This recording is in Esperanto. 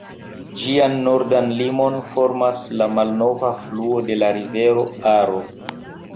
Ĝian nordan limon formas la malnova fluo de la rivero Aro.